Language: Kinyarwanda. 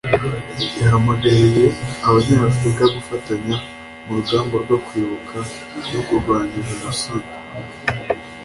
yahamagariye Abanyafurika gufatanya mu rugamba rwo kwibuka no kurwanya Jenoside